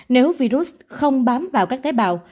nếu virus không bám vào các tế bào